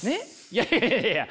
いやいやいや。